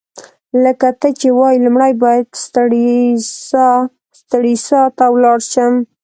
لکه ته چي وايې، لومړی باید سټریسا ته ولاړ شم.